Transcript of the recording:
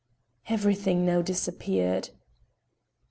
Everything now disappeared.